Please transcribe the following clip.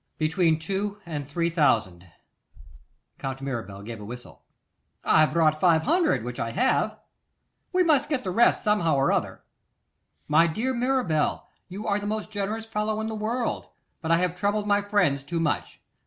'Between two and three thousand.' The Count Mirabel gave a whistle. 'I brought five hundred, which I have. We must get the rest somehow or other.' 'My dear Mirabel, you are the most generous fellow in the world; but I have troubled my friends too much.